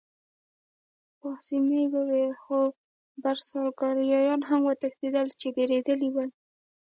پاسیني وویل: خو برساګلیریایان هم وتښتېدل، چې بېرېدلي ول.